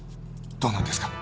どうなんですか？